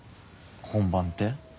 本番って？